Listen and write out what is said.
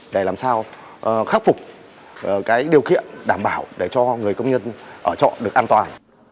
để làm sao khắc phục điều kiện đảm bảo để cho người công nhân ở trọ được an toàn